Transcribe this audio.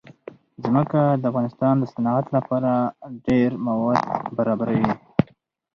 ځمکه د افغانستان د صنعت لپاره ډېر مواد برابروي.